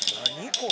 これ。